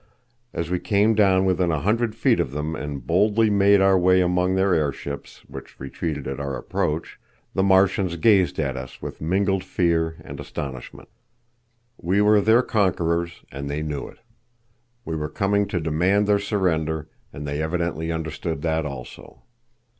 As we came down within a hundred feet of them and boldly made our way among their airships, which retreated at our approach, the Martians gazed at us with mingled fear and astonishment. We were their conquerors and they knew it. We were coming to demand their surrender, and they evidently understood that also.